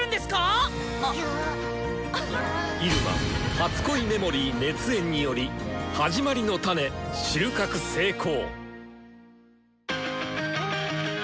「初恋メモリー」熱演により「始まりのタネ」収穫成功！